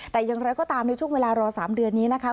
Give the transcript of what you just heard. แต่อย่างไรก็ตามในช่วงเวลารอ๓เดือนนี้นะคะ